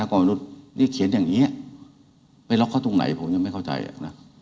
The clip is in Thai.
ก่อนมนุษย์นี่เขียนอย่างนี้ไปล็อกเขาตรงไหนผมยังไม่เข้าใจอ่ะนะ